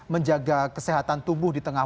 menjaga kesehatan tubuh di tengah